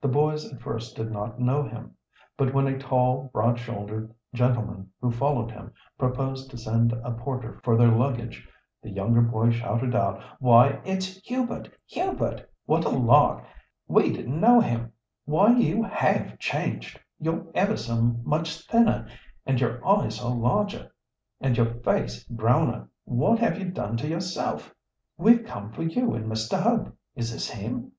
The boys at first did not know him. But when a tall, broad shouldered gentleman, who followed him, proposed to send a porter for their luggage, the younger boy shouted out—"Why, it's Hubert! Hubert! What a lark! We didn't know him. Why you have changed! You're ever so much thinner, and your eyes are larger, and your face browner. What have you done to yourself? We've come for you and Mr. Hope. Is this him?"